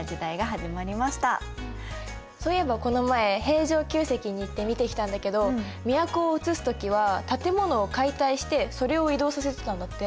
そういえばこの前平城宮跡に行って見てきたんだけど都をうつす時は建物を解体してそれを移動させてたんだって。